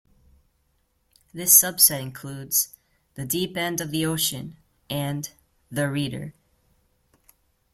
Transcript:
This subset includes "The Deep End of the Ocean" and "The Reader".